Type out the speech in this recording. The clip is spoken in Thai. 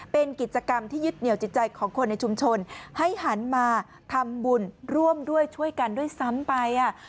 เป็นกิจกรรมที่ยึดเหนียวจิตใจของคนในชุมชนให้หันมาทำบุญร่วมด้วยช่วยกันด้วยซ้ำไป